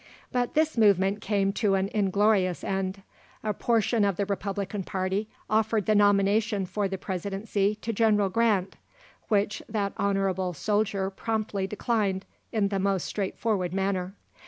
But this movement came to an inglorious end. A portion of the Republican party offered the nomination for the Presidency to General Grant, which that honourable soldier promptly declined in the most straightforward manner.